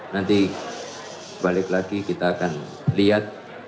nanti balik lagi kita akan lihat